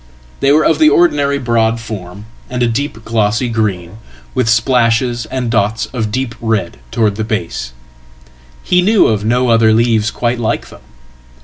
They were of the ordinary broadform, and a deep glossy green, with splashes and dots of deep red towardsthe base He knew of no other leaves quite like them.